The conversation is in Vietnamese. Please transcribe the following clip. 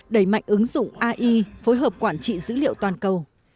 đẩy mạnh ứng dụng ai phối hợp quản trị dữ liệu toàn cầu